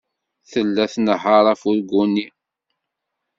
Tella tnehheṛ afurgu-nni.